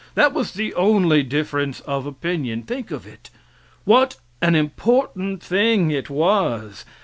That was the only difference of opinion. Think of it! What an important thing it was!